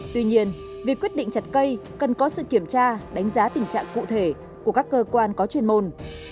tuy nhiên việc quyết định chặt cây cần có sự kiểm tra đánh giá tình trạng cụ thể của các cơ quan có chuyên môn